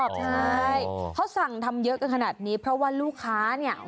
ใช่เขาสั่งทำเยอะกันขนาดนี้เพราะว่าลูกค้าเนี่ย